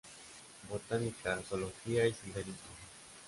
Botánica, zoología y senderismo